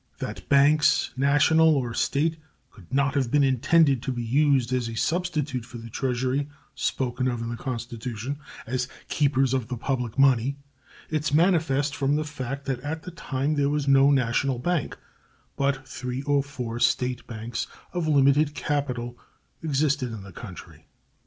That banks, national or State, could not have been intended to be used as a substitute for the Treasury spoken of in the Constitution as keepers of the public money is manifest from the fact that at that time there was no national bank, and but three or four State banks, of limited Capital, existed in the country.